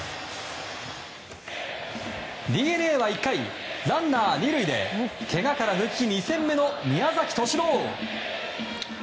ＤｅＮＡは１回ランナー２塁でけがから復帰２戦目の宮崎敏郎。